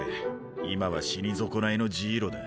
今は死に損ないのジイロだ。